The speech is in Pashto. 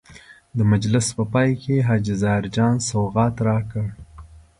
د مجلس په پای کې حاجي ظاهر جان سوغات راکړ.